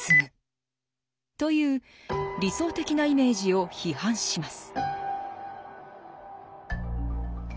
という理想的なイメージを批判します。